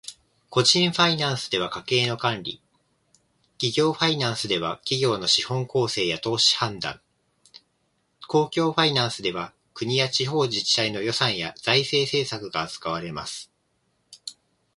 個人ファイナンスでは家計の管理、企業ファイナンスでは企業の資本構成や投資判断、公共ファイナンスでは国や地方自治体の予算や財政政策が扱われます。